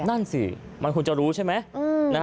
นั่นสิมันควรจะรู้ใช่ไหม